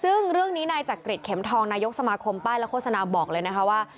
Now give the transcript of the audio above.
ซึ่งเรื่องนี้นายจักริจเข็มทองนายกสมาคมป้ายและโฆษณาบอกเลยนะคะว่า